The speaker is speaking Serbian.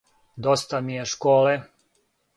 Доста ми је школе!